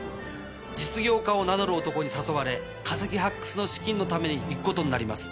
実業家を名乗る男に誘われ化石発掘の資金のために行くことになります。